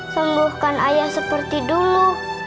sembuhkan ayah seperti dulu